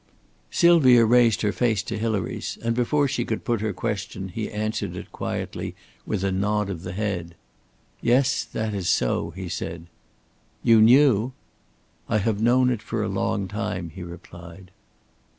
Sylvia raised her face to Hilary's, and before she could put her question he answered it quietly with a nod of the head. "Yes, that is so," he said. "You knew?" "I have known for a long time," he replied.